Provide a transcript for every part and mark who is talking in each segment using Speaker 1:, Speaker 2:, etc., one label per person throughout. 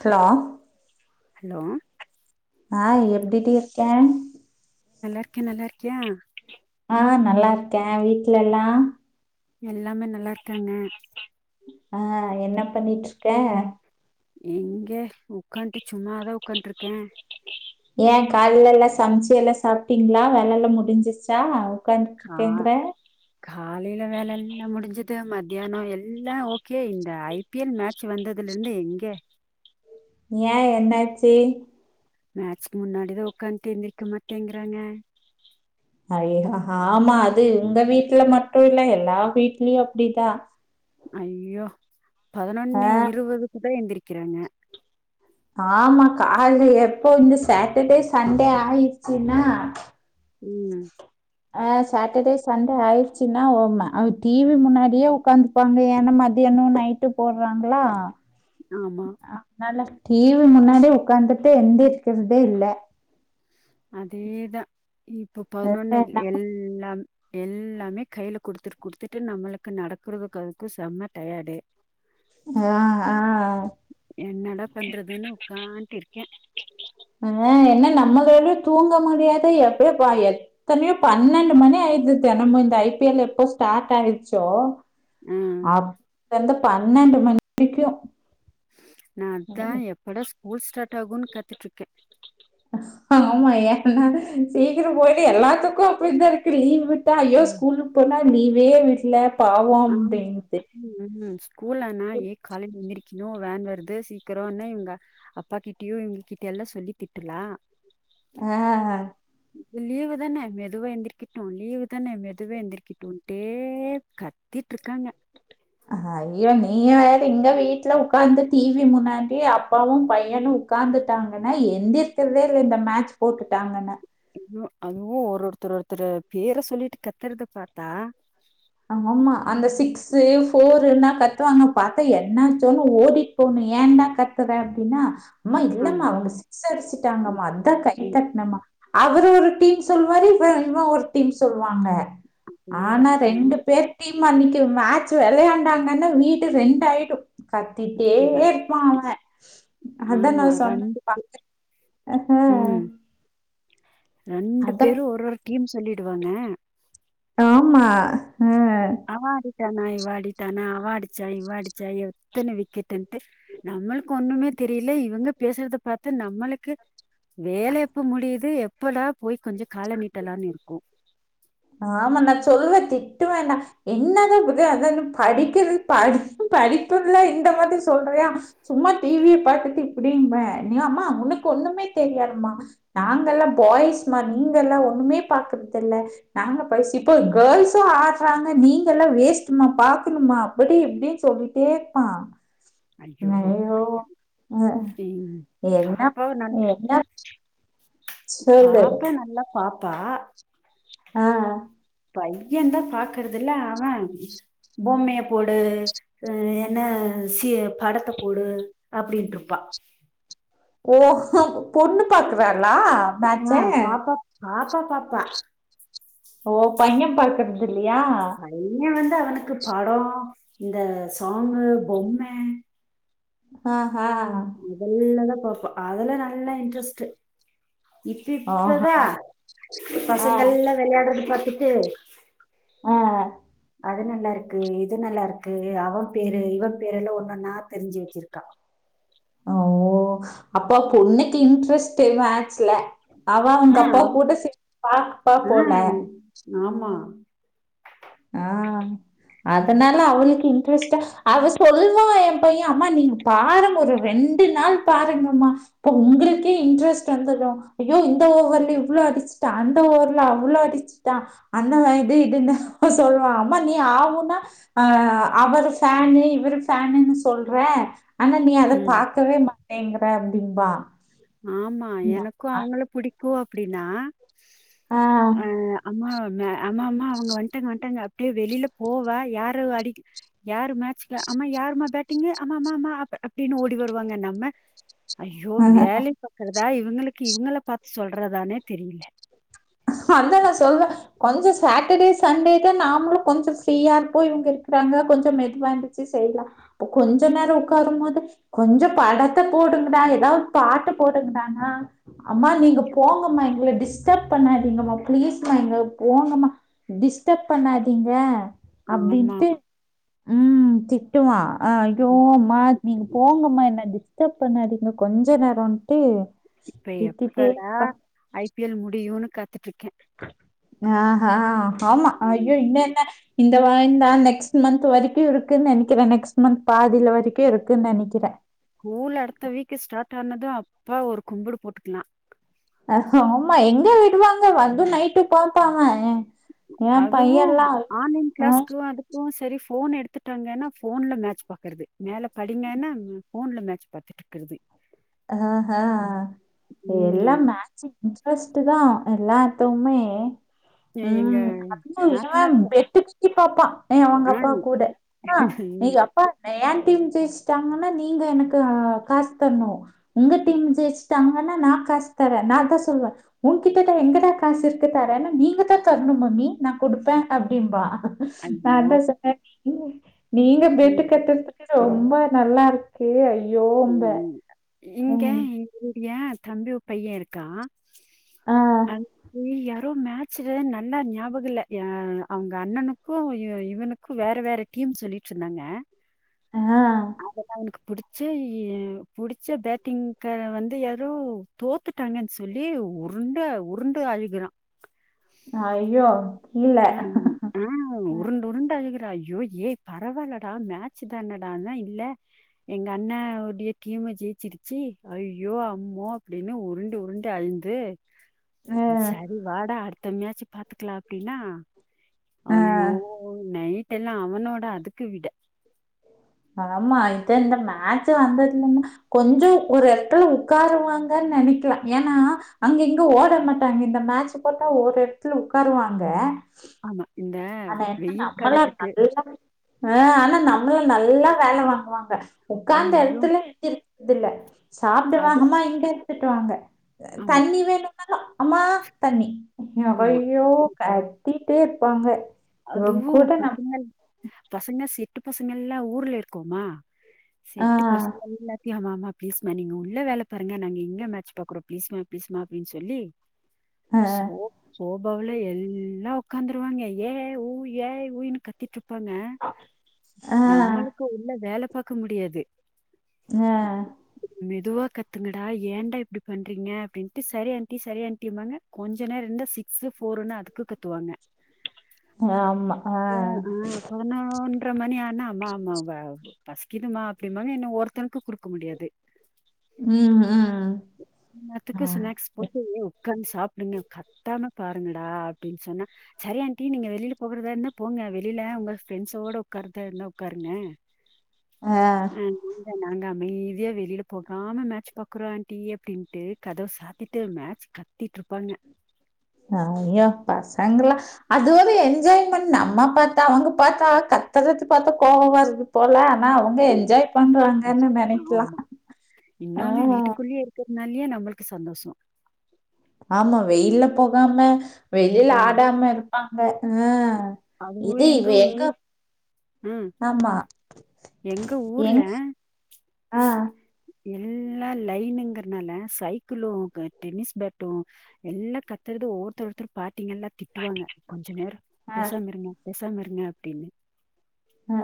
Speaker 1: Hello
Speaker 2: hello
Speaker 1: ஆஹ் எப்டி டி இருக்க
Speaker 2: நல்லா இருக்கே நல்லா இருக்கியா
Speaker 1: ஆஹ் நல்லா இருக்கே வீட்லெல்லா
Speaker 2: எல்லாமே நல்லா இருக்காங்க
Speaker 1: ஆஹ் என்ன பண்ணிட்ருக்க
Speaker 2: எங்கெ உக்காந்ட்டு சும்மாதா ஒக்காந்ட்ருக்கே
Speaker 1: ஏ கால்லலா சம்ச்சு எல்லா சாப்ட்டீங்ளா வேலலா முடிஞ்சிற்ச்சா உக்காந்ட்டுருக்கேங்றே
Speaker 2: காலேல வேலேன்னா முடிஞ்சது மத்தியானோ எல்லா ஓகே இந்த ஐ பி எல் மேட்ச் வந்ததுலருந்து எங்க
Speaker 1: ஏன் என்னாச்சு
Speaker 2: மேட்ச்கு முன்னாடிதா உட்காந்துட்டு ஏந்திருக்க மாட்டேங்குறாங்க
Speaker 1: ஐயோ ஆமா அது உங்க வீட்ல மட்டு இல்ல எல்லா வீட்லயு அப்டிதா
Speaker 2: ஐயோ பதினொன்னு
Speaker 1: ஆ
Speaker 2: இருபதுக்கு தா எந்திரி வக்கிறாங்க
Speaker 1: ஆமா காலைல எப்போமே சேட்டர்டே சண்டே ஆயிடுச்சுன்னா
Speaker 2: உம்
Speaker 1: ஆஹ் சாட்டர்டே சண்டே ஆயிடுச்சுன்னா உ ம்ம அவுங் டிவி முன்னாடியே உட்காந்துப்பாங்க ஏன்னா மதியானோ நைட்டு போடுறாங்களா
Speaker 2: ஆமா
Speaker 1: ஆஹ் நல்ல டிவி முன்னாடி உட்கார்ந்துட்டு எந்திருக்கறதே இல்ல
Speaker 2: இப் இப்ப பதினொன்ன எல்லாம் எல்லாமே கையில குடுத்துட்டு குடுத்துட்டு நம்மளுக்கு நடக்குறதுக்கு அதுக்கும் செம்ம டயார்டு
Speaker 1: ஆஹ் ஆஹ்
Speaker 2: என்னடா பண்றதுன்னு உட்காண்ட்டு இருக்கே
Speaker 1: அஹ் என்ன நம்மளாலயு தூங்க முடியாத எப்பயு எத்தனையோ பன்னெண்டு மணி ஆயிடுது தெனமும் இந்த ஐ பி எல் எப்போ ஸ்டார்ட் ஆயிடுச்சோ
Speaker 2: ஆஹ்
Speaker 1: ந்த பன்னெண்டு மணிக்கும்
Speaker 2: நா அதா எப்படா ஸ்கூல் ஸ்டார்ட் டாகுன்னு கத்துட்டு இருக்கே
Speaker 1: ஆமா ஏன்னா சீக்கிரோ போயிட்டு எல்லாத்துக்கு அப்புடி தா இருக்கு லீவ்வு தா ஐயோ ஸ்கூலுக்கு போனால் லீவே விட்ல
Speaker 2: ஆமா உம் உம் ஸ்கூல்லனா ஏன் காலேஜ் [inaudible] க்கணும் வேன் வருது சீக்கிரேன்னா எங்க அப்பா கிட்டயு எங்ககிட்டயல்லா சொல்லி திட்டுலா
Speaker 1: ஆஹ் ஆஹ்
Speaker 2: லீவு தான மெதுவா எந்திரிக்கிட்டோ லீவு தான மெதுவா எந்திரிக்கிட்டோட்டே க த்திட்டு இருக்காங்க
Speaker 1: ஐயோ நீய வேற எங்க வீட்டுல உட்கார்ந்து டிவி முன்னாடி அப்பாவும் பையனு உட்காந்துட்டாங்கன்னா எந்த [unintelligible] இந்த மேட்ச் போட்டுட்டாங்கன்னா
Speaker 2: ம் அதுவு ஒரு ஒருத்தர் ஒருத்தரு பேர சொல்லிட்டு கத்துறத பாத்தா
Speaker 1: ஆமா அந்த சிக்ஸு ஃபோர்ல்லா கத்துவாங்க பாத்தா என்னாச்சோன்னு ஓடிட்டு போகணு ஏண்டா கத்துற அப்டின்னா அம்மா இல்லம்மா
Speaker 2: ஆமா
Speaker 1: அவுங்க சிக்ஸ் அடிச்சுட்டாங்கம்மா அதா கை
Speaker 2: ம்,
Speaker 1: தட்னம்மா அவரு ஒரு டீம் சொல்லுவாரு இவ இவ ஒரு டீம் சொல்லுவாங்க
Speaker 2: அதே தா கண்டிப்
Speaker 1: அ டீம்மு அன்னைக்கு மேட்ச் வெளையாண்டாங்கன்னா வீடு ரெண்ட்டாயிடு கத்திட்டே
Speaker 2: அதான்.
Speaker 1: இருப்பா அவ அதா நா
Speaker 2: ஆமா
Speaker 1: சொன்னே
Speaker 2: ரெண்டு
Speaker 1: [inaudible] ஆ ஹா
Speaker 2: ரெண்டு பேரும் ஒரு [unintelligible] சொல்லிடுவாங்க
Speaker 1: ஆமா அ.
Speaker 2: ஆமா இவாடிட்டானா அவாடிச்சா இவ்வாடிச்சாய் எத்தன விக்கெட்ட்டு நம்மளுக்கு ஒண்ணுமே தெரியல இவங்க பேசுறத பார்த்தா நம்மளுக்கு வேல எப்ப முடியுது எப்படா போய் கொஞ்சோ கால நீீட்டலாம்னு இருக்கூ
Speaker 1: ஆமா நான் சொல்லுவ திட்டுவேண்டா என்னதான் புத அத படிக்கிறது ப படிப்புதல்லாம் இந்த மாதிரி சொல்றியா சும்மா டிவியை பாார்த்தட்டு இப்படிமே நீ ஆமா உனக்கு ஒண்ணுமே தெரியாதுமா நாங்க எல்லாம் பாய்ஸ்மா நீங்க எல்லாம் ஒண்ணுமே பாக்குறதுல்ல நாங்க பைசு இப்போ கேர்ள்ஸும் ஆடுறாங்க நீங்க எல்லாம் வேஸ்ட்டுமா பாக்கணுமா அப்படி இப்படின்னு சொல்லிட்டே இருப்பான்
Speaker 2: ஐயோ
Speaker 1: அஹ்
Speaker 2: உம்
Speaker 1: என்ன
Speaker 2: பாப்பா வ நல்ல
Speaker 1: என்ன சொல்லு
Speaker 2: பாப்பே நல்லா பாப் பா
Speaker 1: ஆ
Speaker 2: பையன் தான் பாக்குறது இல்ல அவன் பொம்மைய போடு அஹ் என்ன சி படத்த போடு அப்படட்டு இருப்பா
Speaker 1: ஓ பொண்ணு பாக்குறாரு
Speaker 2: ஆ பாப்பா
Speaker 1: [unintelligible]
Speaker 2: பாப்பா பாப்பா
Speaker 1: பக்குற
Speaker 2: ப [unintelligible] அவனுக்கு படோ இந்த சாங்கு பொம்ம
Speaker 1: ஆஹ் ஆஹ்
Speaker 2: இ தெல்லதான் பார்ப்பா அதல்லாம் நல்லா இன்ட்ரெஸ்ட் இப்ப
Speaker 1: ஆஹா
Speaker 2: இப்பதான்
Speaker 1: ஆ
Speaker 2: பசங்கள் எல்லாம் விளையாடுது பார்த்து கித்து
Speaker 1: ஆ
Speaker 2: அது நல்லா இருக்கு இது நல்லா இருக்கு அவன் பேரு இவன் பேருெல்லாம் ஒண்ணுன்னா தெரிஞ்சு வச்சிருக்கான்
Speaker 1: ஓ அப்போ பொண்ணுக்கு இன்ட்ரெஸ்ட் ஏதும் ஆட் ல அவன்
Speaker 2: ஆ,
Speaker 1: உங்க அப்பா
Speaker 2: அவ-
Speaker 1: கூட ச பாப்பா
Speaker 2: ஆ,
Speaker 1: போல
Speaker 2: ஆமா
Speaker 1: ஆஹ் அதனால அவளுக்கு இன்ட்ரெஸ்டா அவ சொல்லுவான் என் பையன் அம்மா நீங்க பாரு ஒரு ரெண்டு நாள் பாருங்கம்மா இப்ப உங்களுக்கே இன்ட்ரெஸ்ட் வந்துரும் ஐயோ இந்த ஓவருல இவ்வளோ அடிச்சுட்டான் அந்த ஓவர்ல அவ்ளோ அடிச்சுட்டான் அந்த இது இதுன்னு சொல்லுவா ம்மா நீ ஆகனா அஹ் அவரு ஃபேனு இவரு ஃபேனுன்னு சொல்ற ஆனா நீ அத
Speaker 2: ம்
Speaker 1: பாார்கக்கவே மாட்ட தேங்கற அப்டிபா
Speaker 2: ஆமா எனக்கூ அவுங்கள புடிக்கூ போ அப்டின்னா அ ஆமா ஆமாமா அவங்க வந்துட்டாங்க வந்துட்டாங்க அப்டியே வெளியில போவா யாரு அடி யாரு மேட்ச ஆமா யாருமா பேட்டிங்கு ஆமா ஆமா ஆ அப்படின்னு ஓடி வருவாங்க நம்ம ஐயோ
Speaker 1: ஆ
Speaker 2: வியல் பாக்கறதா இவுங்குளுக்கு இவுங்கள பா சொல்றதானே தெரில
Speaker 1: அதா நா சொல்வே கொஞ்சோ சாட்டர்டே சண்டேதா நாமளு கொஞ்ச ஃப்ரீயா இர்ப்போ இவுங்க இர்க்கிறாங்க கொஞ்சோ மெதுவா எந்துச்சு செய்லா போ கொஞ்ச நேரோ உக்காரம் போது கொஞ்ச படத்த போடுங்டா ஏதாவு பாட்ட போடுங்கடானா ஆம்மா நீங்க போங்கம்மா எங்கள டிஸ்டர்ப பண்ணாதீங்கமா பிளீஸ்மா எங்கள போங்கமா டிஸ்டர்ப் பண்ணாதீங்க
Speaker 2: ஆமா
Speaker 1: அப்டின்ட்டு உம் தி டுவா ஆ அய்யோ
Speaker 2: உம்
Speaker 1: அம்மா நீங்க போங்கம்மா என்ன டி டப் பண்ணாதீங்க கொஞ்ச நேரம்ட்டு
Speaker 2: இப்ப
Speaker 1: திட்டிட்டே
Speaker 2: எப்படா
Speaker 1: இருப்பான்.
Speaker 2: ஐ பி எல் முடியுன்னு கா த்துட்டுருக்கே
Speaker 1: ஆ ஆ ஆமா அய்யோ இன்னு என்ன இந்த வாய்ந்தா நெக்ஸ்ட் மந்த்து வரிக்கு இருக்குன்னு நெனக்கிறே நெக்ஸ்ட் மந்த் பாதில வரைக்கு இருக்குன்னு நெனக்கிறே
Speaker 2: டானது அப்பா ஒரு கும்புடு போட்டுக்கிலா
Speaker 1: னுரு நைட்டு பாப்பாங்க ஏ
Speaker 2: அதுவு ஆன்லைன்
Speaker 1: அ
Speaker 2: கிளாஸ்க்லா [unintelligible] தெரி ஃபோன எடுத்துட்டாங்கனா ஃபோன்ல மேட்ச் பாக்கறது மேல படிங்கனா ஃபோன்ல மே சு பாத்துட்டுக்கிறது
Speaker 1: ஆ ஆ
Speaker 2: ம்.
Speaker 1: எல்லா
Speaker 2: ஐ-
Speaker 1: மேட்ச்சு இன்ட்ரஸ்ட்டுதா எல்லாத்துமே
Speaker 2: எ எங்க
Speaker 1: உம்
Speaker 2: நாத்தனார் பொ
Speaker 1: [inaudible] இப்பாப்பா ஏ உங்க
Speaker 2: ஆ
Speaker 1: அப்பா கூட ஆ
Speaker 2: ம்,
Speaker 1: நீங்க அப்பா ஏன் டீம் ஜெயிஸ்டாங்கனா நீங்க எனக்கு ஆ காஸ் தர்னோ உங்க டீம் ஜெயிஸ் தாங்கான நா காஸ் தரே நாதா சொல்லுவே உன்கிட்டட்ட எங்கடா காசு இர்க்கு தரேன்னு நீங்கதா தரணு மம்மி நா கொடுப்பே அப்டிம்பா நா
Speaker 2: ஐயோ!
Speaker 1: அதா [inaudible] [unintelligible] நீங்க பெட்டு
Speaker 2: ம்,
Speaker 1: கட்ட ரொம்ப நல்லாருக் பே அய்யோம்பே
Speaker 2: இங்கே எங்குரு ஏஸ் தம்பி ஒ பையருக்கா
Speaker 1: ஆ,
Speaker 2: அங் லியா ப்றோ மேட்ச்ல நல்லா நியாபக இல்ல ஏ அவுங்க அண்ணனுக்கு இவ் இவுனுக்கு வேற வேற டீம் சொல்லிட்ருந்தாங்க
Speaker 1: ஆ.
Speaker 2: அதெல்லா உனுக் புடிச் ச்ச புடிச்ச பேட்டிங் கார வந்து யாரோ தோத்துட்டாங்கன் சொல்லி உருண்ட உருண்டு அழுகிறா
Speaker 1: ஐய்யோ
Speaker 2: அன் ஆ உருண்டு உருண்டு அழுகு ஐய்யோ ஏய் பரவால்லடா மேச்சுதானடான்னா இல்ல எங்க அண்ணா உடைய கீமு ஜெயிச்சிருச்சி ஐய்யோ அம்மோ அப்டினு உருண்டு உருண்டு அழ்ந்து
Speaker 1: அ,
Speaker 2: சரி வாடா அடு தம்மியாச்சி பாத்துக்லா ப்டினா
Speaker 1: அ.
Speaker 2: அய்யோ நை டென்னா அவனோட அதுக்கு விட
Speaker 1: ஆமா இது இந்த மேச்சு வந்ததுலனா கொஞ்சோ ஒரு எடத்துல உக்காருவாங்கன் நெனைக்லா ஏனா அங்க இங்க ஓட மாட்டாங்க இந்த மேச்சு போட்டா ஒரு எடத்ல உக்காருவாங்க
Speaker 2: ஆமா இந்த
Speaker 1: ஆனா என்ன
Speaker 2: வெயில்
Speaker 1: நம்மளா [inaudible]
Speaker 2: காலத்துக்கு
Speaker 1: அ ஆனா ந ம்ல நல்லா வேல வாங்குவாங்க உக்காந்த
Speaker 2: ஐயோ
Speaker 1: எடத்துல எந்திரி இதுல சாப்டு
Speaker 2: அது
Speaker 1: வாங்கம்மா இங்க திட்டுவாங்க அ
Speaker 2: ஆமா
Speaker 1: தண்ணி வேணு நல்லா அம்மா தண்ணி
Speaker 2: ஆமா
Speaker 1: ஐயோ கத்தி டேர்ப்பாங்க
Speaker 2: அதுவு பசங்கள் பசங்க செ ட்டு பசங்கெல்லா ஊர்ல இருக்கோமா செட்டு
Speaker 1: ஆஹ்
Speaker 2: பசங்கெல்லாத்தியு அவ மா ப்ளீஸ்மா நீங்க உள்ள வேல பாருங்க நாங்க இங்க மேச் பாக்றோ ப்ளீஸ்மா ப்ளீஸ்மா அப்டின் சொல்லி
Speaker 1: ஆஹ்
Speaker 2: சோ சோபாவுல எல்லா க்காந்ருவாய்ங்க ஏ ஊய் ஏய் ஊய்னு கத்திட்ரு ப்பாங்க
Speaker 1: ஆஹ்
Speaker 2: நம்முளுக்கு உள்ள வேல பாக்க முடியாது
Speaker 1: அ
Speaker 2: துவா கத்துங்கடா ஏன்டா இப்டி பண்றீங்க அப்டின்ட்டு சரி ஏன்ட்டி சரி ஏன்ட்டிம்மாங்க கொஞ்ச நேர இருந்தா சிக்ஸு ஃபோருன்னு அதுக்கு கத்துவாங்க
Speaker 1: ஆமா ஆ
Speaker 2: அப்புற மணி ஆனா அம்மா அம்மா வ பசிக்குதுமா அப்டிமாங்க என்ன ஒருத்தனுக்கு கொடுக்க முடியாது
Speaker 1: ம், ம். ஆ.
Speaker 2: எல்லாத்துக்கு ஸ்நாக்ஸ் போட்டு உக்காந்து சாப்பிடுங்க கத்தாம பாருங்க டா அப்டின்னு சொன்னா சரி ஆண்ட்டி நீங்க வெளியில போகறதா இருந்தா போங்க வெளியில உங்க ஃப்ரெண்ட்ஸோட உக்காரதா இருந்தா உக்காருங்க
Speaker 1: ஆ
Speaker 2: நாங்க அமைதியா வெளியில போகாம மேட்ச் பாக்குறோ ஆன்ட்டி அப்படின்ட்டு கதவ சாத்திட்டு மேட்ச் கத்திட்ருப்பாங்க
Speaker 1: அ ஐயோ பசங்களலா அது ஒரு என்ஜாய்மெண்ட் நம்ம பாத்தா அவங்க பாத்தா கத்துறதுக் பாத்தா கோவம் வருது போல ஆனா அவங்க என்ஜாய் பண்றாங்கன்னு
Speaker 2: ஜ-
Speaker 1: நெனைக்கலா
Speaker 2: ஆமா
Speaker 1: ஆ
Speaker 2: னாலயே நம்மளுக்கு சந்தோஷம்
Speaker 1: ஆமா வெயில்ல போகாம வெயில்ல
Speaker 2: ம்
Speaker 1: ஆடாம இருப்பா ம்ப ம்
Speaker 2: அதுவும்
Speaker 1: இது இ
Speaker 2: ஊர்
Speaker 1: எங்க
Speaker 2: ம்
Speaker 1: ஆமா
Speaker 2: எங்க ஊர்ல
Speaker 1: எங்க ஆ
Speaker 2: எல்லா லைனுங்கிறனால சைக்கிளு டென்னிஸ் பேட்டும் எல்லா கத்துறது ஒருத்தர் ஒருத்தர் பாட்டிங்க எல்லாம் திட்டுவாங்க கொஞ்சம் நேரம்
Speaker 1: ஆ.
Speaker 2: பேசாம இருங்க பே சாம இருங்க அப்டின்னு
Speaker 1: ஆ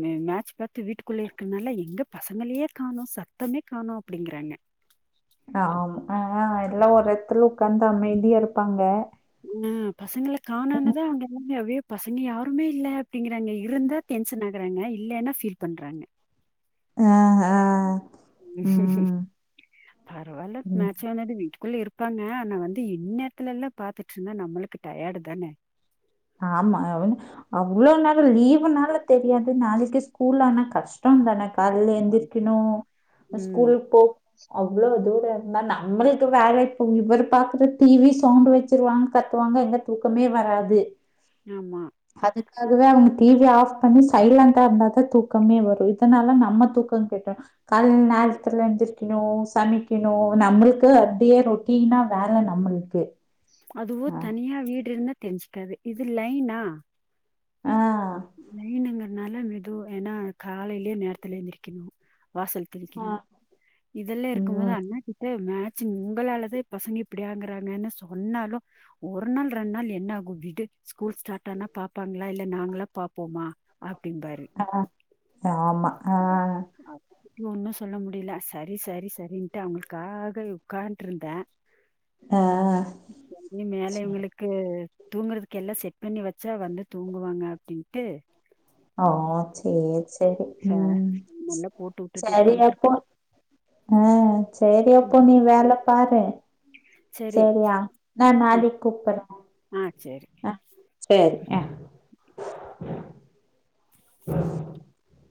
Speaker 2: மே மேட்ச் பா ட்டு வீட்டுக்குள்ளயே இருக்கனால எங்க பசங்களையே கானோ சத்தமே கானோ அப்படிங்கறாங்க
Speaker 1: ஆமா ஆ எல்லா ஒரு எடத்துலு உக்காந்து அமைதியா இருப்பாங்க
Speaker 2: ஆ பசங்கள கானோன்னது அங்க எல்லாமே அப்டியே பசங்க யாருமே இல்ல அப்டிங்கறாங்க இருந்தா டென்ஷன் ஆகுறாங்க இல்லன்னா ஃபீல் பண்றாங்க
Speaker 1: ஆ ஆ
Speaker 2: ம் பரவால்ல
Speaker 1: ம்.
Speaker 2: மேட்ச் ஆனது வீட் குள்ள இருப்பாங்க ஆனா வந்து இன்னேரத்துலல்லா பாத்துட்டு இருந்தா நம்மளுக்கு டயர்டு தானே
Speaker 1: ஆமா அவ அவ்வளோ நால லீவுனால தெரியாது நாளைக்கு ஸ்கூல்ல ஆனா கஷ்டம் தானே கால்ல எந்திரக்கணு
Speaker 2: ம்
Speaker 1: ஸ்கூலு போ அவ்வளோ தூர ஆனா நம்மளுக்கு வேல இப்போ இவரு பாக்குற டி வி சவுண்ட் வச்சிருவாங்க கத்துவாங்க எங்க தூக்கமே வராது
Speaker 2: ஆமா
Speaker 1: அதுவே அவங்க டி வி ஆஃப் பண்ணி சைலண்டா இருந்தாதா தூக்கமே வரும் இதனால நம்ம தூக்கம் கெட்ரு காலைல நேரத்துலே எந்திரிக்கணு சமைக்கணு நம்மளுக்கு அப்படியே ரொட்டீனா வேல நம்மளுக்கு
Speaker 2: அதுவு
Speaker 1: அ
Speaker 2: தனியா வீடு இருந்தா தெரிஞ்சுக்காது இது லைனா
Speaker 1: ஆ.
Speaker 2: அதனால மெது ஏன்னா காலையிலயே நேரத்துல எந்திரிக்கணும் வாசல்
Speaker 1: ஆ.
Speaker 2: தெளிக்கணும் இதெல்லா இருக்கும் போது
Speaker 1: ம்.
Speaker 2: அண்ணாகிட்ட மே உங்களாலதான் பசங்க இப்படி ஆகறாங்கறாங்கன்னு சொன்னாலும் ஒரு நாள் ரெண்டு நாள் என்ன ஆகும் விடு ஸ்கூல் ஸ்டார் ஆனா பார்ப்பாங்களா இல்ல நாங்கள பாப்போமா அப்படிம்பாரு
Speaker 1: ஆஹ் ஆமா ஆஹ
Speaker 2: ஒன்னும் சொல்ல முடியல சரி சரி சரின்ட்டு அவங்களுக்காக உட்கார்ன்ட்டு இருந்தேன்
Speaker 1: ஆ
Speaker 2: மேலே
Speaker 1: சரி
Speaker 2: இவங்களுக்கு தூங்குறதுக்கு எல்லாம் செட் பண்ணி வச்சா வந்து தூங்குவாங்க அப்படின்னு ட் டு
Speaker 1: ஒ சேரி சரி
Speaker 2: ச-
Speaker 1: உம்
Speaker 2: நல்லா போட்டு விட்டுட்டு
Speaker 1: சரி
Speaker 2: உட்காந்துட்டு
Speaker 1: அப்போ
Speaker 2: இருக்கேன்
Speaker 1: ஆஹ்ம் சரி அப்போ நீ வேலை பாரு
Speaker 2: சரி
Speaker 1: சரியா நான்
Speaker 2: ஆ
Speaker 1: நாளைக்கு கூப்பிறேன்
Speaker 2: ஆ சரி
Speaker 1: ஆஹ் சரி ஹ உம் [unintelligible]